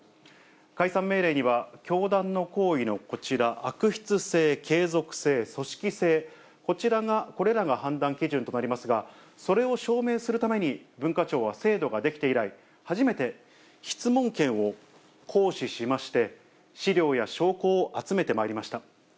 解散命令には、教団の行為のこちら、悪質性、継続性、組織性、こちらが、これらが判断基準となりますが、それを証明するために、文化庁は制度が出来て以来、初めて質問権を行使しまして、資料や証拠を集めてまいりました。